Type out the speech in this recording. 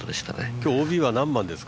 今日ＯＢは何番ですか？